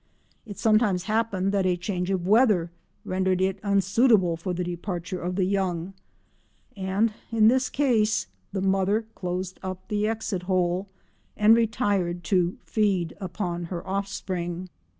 It sometimes happened that a change of weather rendered it unsuitable for the departure of the young, and in this case the mother closed up the exit hole, and retired to feed upon her offspring!